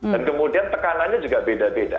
kemudian tekanannya juga beda beda